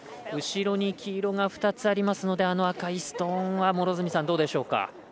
後ろに黄色が２つありますのであの赤いストーンはどうでしょうか。